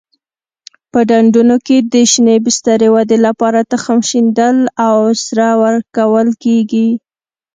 په ډنډونو کې د شینې بسترې ودې لپاره تخم شیندل او سره ورکول کېږي.